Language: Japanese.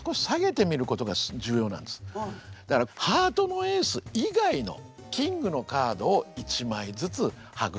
だからハートのエース以外のキングのカードを１枚ずつはぐっていくと。